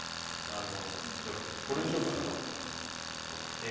じゃあ、これにしようかな。